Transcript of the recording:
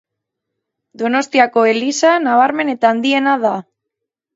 Donostiako eliza nabarmen eta handiena da.